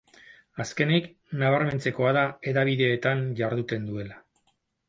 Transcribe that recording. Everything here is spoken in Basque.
Azkenik, nabarmentzekoa da, hedabideetan jarduten duela.